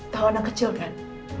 tau anak kecil kan